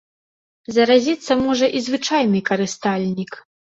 Заразіцца можа і звычайны карыстальнік.